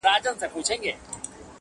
هغوی دواړه په سلا کي سرګردان سول!.